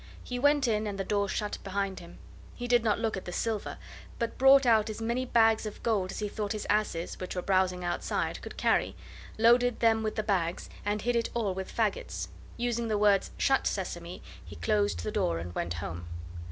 He went in and the door shut behind him. He did not look at the silver, but brought out as many bags of gold as he thought his asses, which were browsing outside, could carry, loaded them with the bags, and hid it all with fagots. Using the words: "Shut, Sesame!" he closed the door and went home.